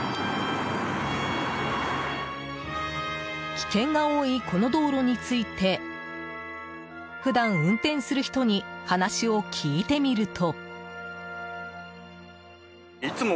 危険が多いこの道路について普段運転する人に話を聞いてみると。